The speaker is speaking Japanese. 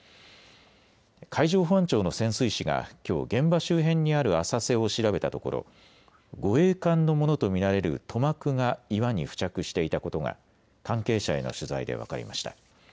海上保安庁の潜水士がきょう現場周辺にある浅瀬を調べたところ護衛艦のものと見られる塗膜が岩に付着していたことが関係者への取材で分かりました。